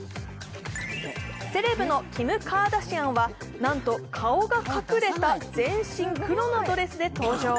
セレブのキム・カーダシアンはなんと顔が隠れた全身黒のドレスで登場。